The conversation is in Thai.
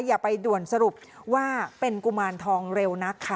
อย่าไปด่วนสรุปว่าเป็นกุมารทองเร็วนักค่ะ